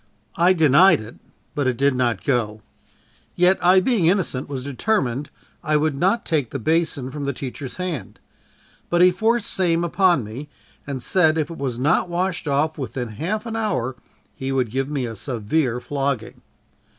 I denied it, but it did not go yet I being innocent, was determined I would not take the basin from the teacher's hand; but he forced same upon me and said if it was not washed off within half an hour, he would give me a severe flogging.